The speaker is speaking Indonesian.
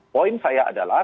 poin saya adalah